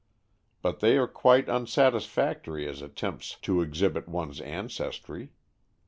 But they are quite unsatisfactory as attempts to exhibit one's ancestry.